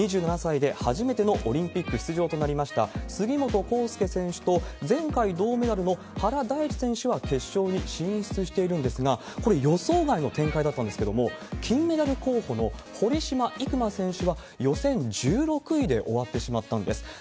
２７歳で初めてのオリンピック出場となりました杉本幸祐選手と、前回銅メダルの原大智選手は決勝に進出しているんですが、これ、予想外の展開だったんですけれども、金メダル候補の堀島行真選手は予選１６位で終わってしまったんです。